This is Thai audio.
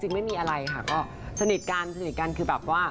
ไม่มีอะไรค่ะก็สนิทกันสนิทกันคือแบบว่า